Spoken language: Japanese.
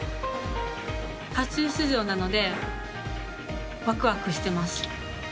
初出場なのでワクワクしています。